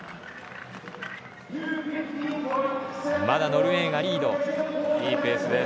まだノルウェーがリード。